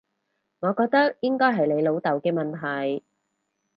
我覺得應該係你老豆嘅問題